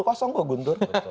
kosong kok guntur